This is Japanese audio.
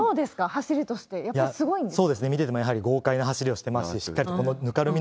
走りとしては、やっぱりすごいんですか？